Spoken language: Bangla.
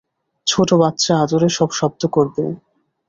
ছোট বাচ্চা আদুরে সব শব্দ করবে!